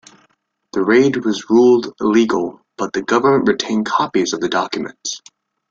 The raid was ruled illegal, but the government retained copies of the documents.